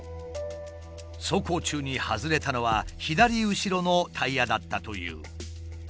走行中に外れたのは左後ろのタイヤだったという。